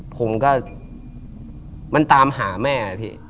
ผมก็มันตามหาแม่พี่